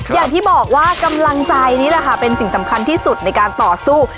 อย่างที่บอกว่ากำลังใจนี่แหละค่ะเป็นสิ่งสำคัญที่สุดในการต่อสู้